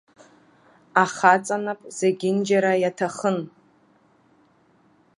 Ахаҵанап зегьынџьара иаҭахын.